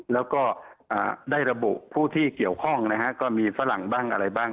แล้วก็ได้ระบุผู้ที่เกี่ยวข้องนะฮะก็มีฝรั่งบ้างอะไรบ้าง